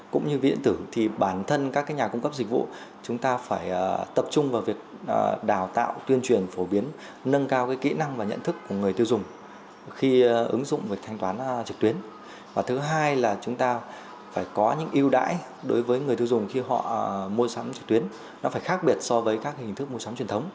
khi họ mua sắm trực tuyến nó phải khác biệt so với các hình thức mua sắm truyền thống